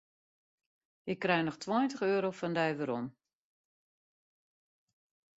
Ik krij noch tweintich euro fan dy werom.